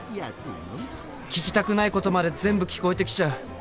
聞きたくないことまで全部聞こえてきちゃう。